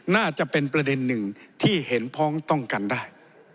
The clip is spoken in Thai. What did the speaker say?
น่าจะเป็นประเด็นหนึ่งที่เห็นพ้องต้องกันได้